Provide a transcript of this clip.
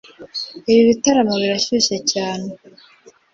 Ibi bitambaro birashyushye cyane